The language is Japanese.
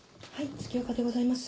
月岡でございます。